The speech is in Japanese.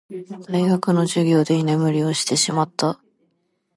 大学の授業で居眠りをしてしまった。